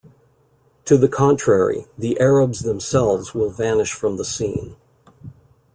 To the contrary, the Arabs themselves will vanish from the scene.